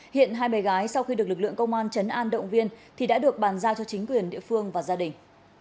hiện hai bé gái sau khi được lực lượng công an trấn an động viên thì đã được bàn giao cho chính quyền địa phương và gia đình